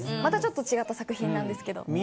またちょっと違った作品なんですけど。